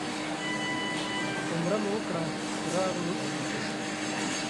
عمره مو وکړه راغلو او ویده شوو.